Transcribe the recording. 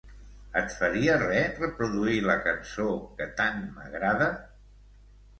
Et faria res reproduir la cançó que tant m'agrada?